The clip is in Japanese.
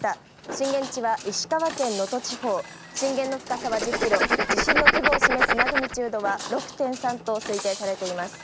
震源地は石川県能登地方、震源の深さは１０キロ、地震の規模を示すマグニチュードは６．３と推定されています。